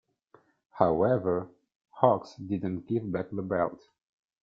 However, Hawx didn't give back the belt.